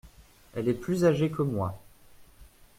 Elle est plus âgée que moi.